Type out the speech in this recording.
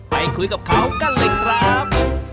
ไปคุยกับเขากันเลยครับ